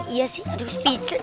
iya sih aduh speechless